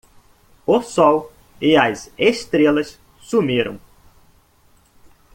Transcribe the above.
O sol e as estrelas sumiram